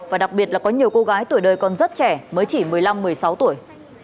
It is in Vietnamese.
và đặc biệt là có nhiều cô gái tuổi đời còn rất trẻ mới chỉ một mươi năm một mươi sáu tuổi